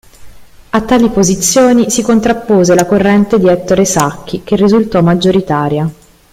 A tali posizioni si contrappose la corrente di Ettore Sacchi, che risultò maggioritaria.